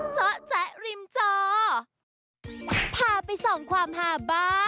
โปรดติดตามตอนต่อไป